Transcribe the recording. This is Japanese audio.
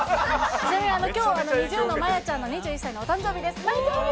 ちなみにきょう、ＮｉｚｉＵのまやちゃんの２１歳のお誕生日です。